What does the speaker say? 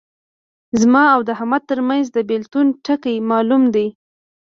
زما او د احمد ترمنځ د بېلتون ټکی معلوم دی.